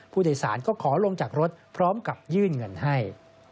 ผู้โดยสารก็ขอลงจากรถพร้อมกับยื่นเงินให้